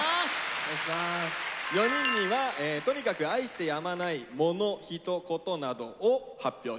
４人にはとにかく愛してやまないモノ・ヒト・コトなどを発表して頂きます。